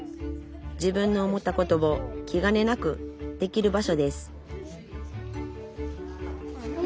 自分の思ったことをきがねなくできる場所です